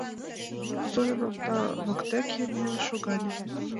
Зорин окна воктеке миен шогале.